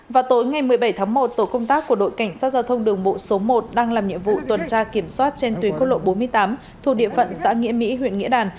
vào tối ngày một mươi bảy tháng một tổ công tác của đội cảnh sát giao thông đường bộ số một đang làm nhiệm vụ tuần tra kiểm soát trên tuyến quốc lộ bốn mươi tám thuộc địa phận xã nghĩa mỹ huyện nghĩa đàn